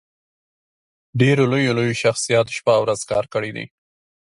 ډېرو لويو لويو شخصياتو شپه او ورځ کار کړی دی